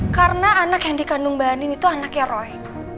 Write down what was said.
karena anak yang dikandung bani itu anaknya roy